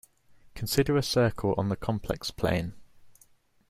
Consider a circle on the complex plane.